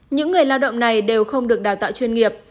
những người lao động này đều không được đào tạo chuyên nghiệp